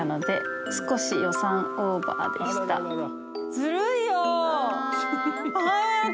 ずるいよ！